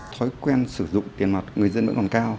thói quen sử dụng tiền mặt người dân vẫn còn cao